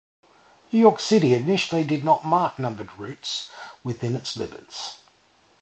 New York City initially did not mark numbered routes within its limits.